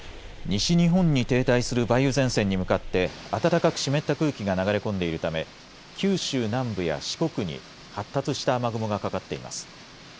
西日本に停滞する梅雨前線に向かって暖かく湿った空気が流れ込んでいるため九州南部や四国に発達した雨雲がかかっています。